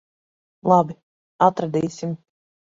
Labi. Atradīsim.